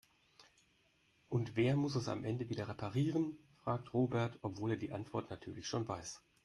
Und wer muss es am Ende wieder reparieren?, fragt Robert, obwohl er die Antwort natürlich schon weiß.